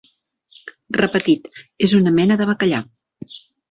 Repetit, és una mena de bacallà.